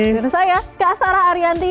dan saya kak sarah arianti